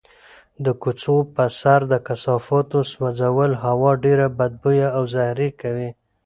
د کوڅو په سر د کثافاتو سوځول هوا ډېره بدبویه او زهري کوي.